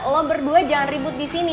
lo berdua jangan ribut di sini